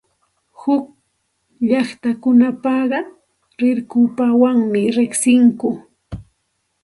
Huk llaqtakunapiqa rirpuwanmi riqsinku.